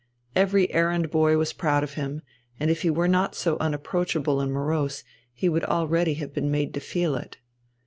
Every errand boy was proud of him, and if he were not so unapproachable and morose he would already have been made to feel it.